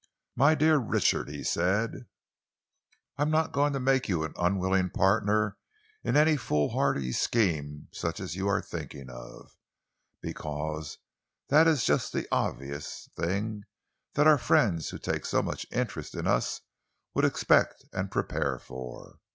"My dear Richard," he said, "I am not going to make you an unwilling partner in any foolhardy scheme such as you are thinking of, because that is just the Obvious thing that our friends who take so much interest in us would expect and prepare for.